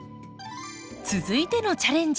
続いてのチャレンジ！